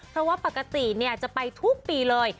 เพราะว่าปกติจะไปทุกปีเลย